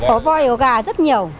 ổ voi ổ gà rất nhiều